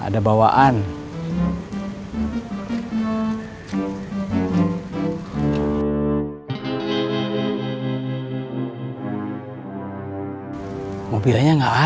dan pun dia merupakan tembakanlia